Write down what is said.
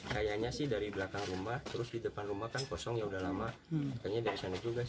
kayanya dari sana juga sih